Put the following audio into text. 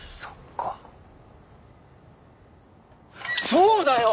そうだよ！